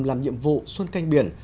làm nhiệm vụ xuân canh biển